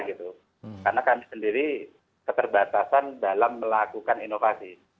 karena kami sendiri keterbatasan dalam melakukan inovasi